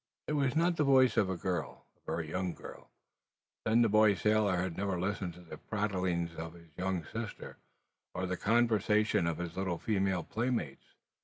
If it was not the voice of a girl, a very young girl, then the boy sailor had never listened to the prattling of his younger sister, or the conversation of his little female playmates.